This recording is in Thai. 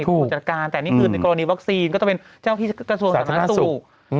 ผู้จัดการแต่นี่คือในกรณีวัคซีนก็ต้องเป็นเจ้าที่กันส่วนศาสนศูนย์